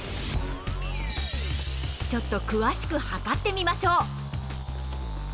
ちょっと詳しく計ってみましょう。